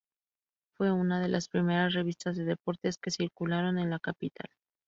Fue una de las primera revistas de deportes que circularon en la capital.